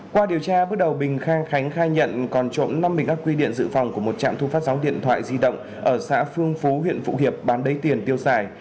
qua điều tra bước đầu bình khang khánh khai nhận còn trộm năm bình ác quy điện dự phòng của một trạm thu phát sóng điện thoại di động ở xã phương phú huyện phụ hiệp bán lấy tiền tiêu xài